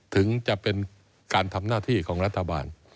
ถึงจะเป็นการทำหน้าที่ของรัฐบาล